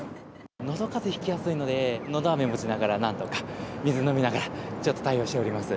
のどかぜひきやすいので、のどあめ持ちながらなんとか、水飲みながら、ちょっと対応しております。